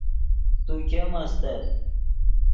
تو ګیم استت